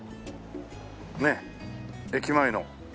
ねっ駅前の。